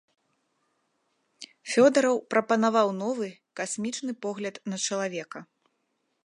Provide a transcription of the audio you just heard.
Фёдараў прапанаваў новы, касмічны погляд на чалавека.